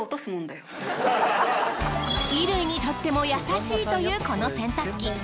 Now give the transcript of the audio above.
衣類にとっても優しいというこの洗濯機。